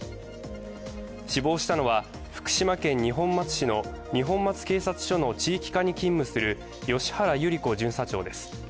死亡したのは、福島県二本松市の二本松警察署の地域課に勤務する吉原有里子巡査長です。